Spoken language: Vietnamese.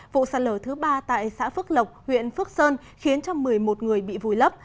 vụ sạt lở thứ ba tại xã phước lộc huyện phước sơn khiến cho một mươi một người bị vùi lấp